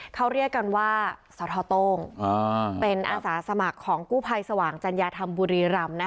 เขาเรียกกันว่าสทโต้งเป็นอาสาสมัครของกู้ภัยสว่างจัญญาธรรมบุรีรำ